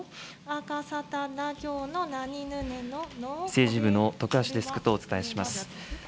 政治部の徳橋デスクとお伝えします。